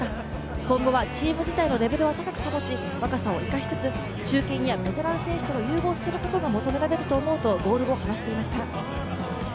今後はチーム自体のレベルを高く保ち、若さを保ちつつ中堅やベテラン選手と融合することが求められると思うとゴール後、話していました。